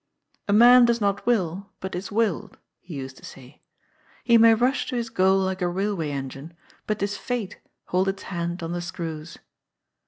" A man does not will, but is willed," he used to say. " He may rush to his goal like a railway engine, but 'tis fate holds its hand on the screws."